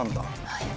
はい。